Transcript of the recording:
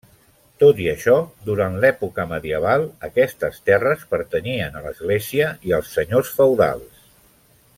Tot i això, durant l'època medieval, aquestes terres pertanyien a l'Església i als senyors feudals.